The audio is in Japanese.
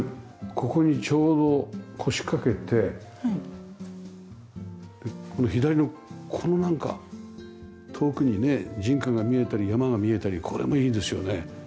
ここにちょうど腰かけて左のこのなんか遠くにね人家が見えたり山が見えたりこれもいいですよね。